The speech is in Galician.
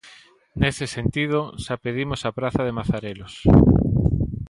Nese sentido, xa pedimos a Praza de Mazarelos.